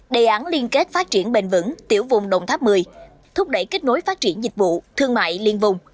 đề án liên kết phát triển bền vững tiểu vùng đồng tháp một mươi thúc đẩy kết nối phát triển dịch vụ thương mại liên vùng